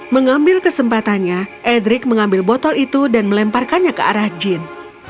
mengambil kesempatannya edric mengambil botol itu dan melemparkannya ke arah jin